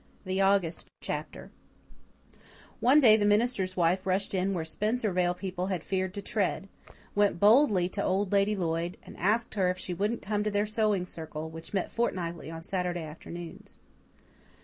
The August Chapter One day the minister's wife rushed in where Spencervale people had feared to tread, went boldly to Old Lady Lloyd, and asked her if she wouldn't come to their Sewing Circle, which met fortnightly on Saturday afternoons.